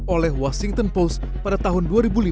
oleh washington post pada tahun dua ribu lima